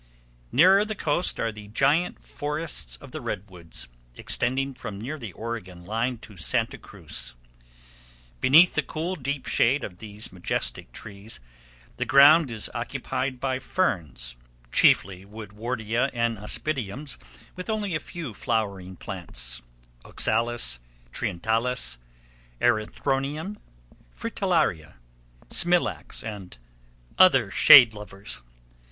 Nearer the coast are the giant forests of the redwoods, extending from near the Oregon line to Santa Cruz. Beneath the cool, deep shade of these majestic trees the ground is occupied by ferns, chiefly woodwardia and aspidiums, with only a few flowering plants—oxalis, trientalis, erythronium, fritillaria, smilax, and other shade lovers.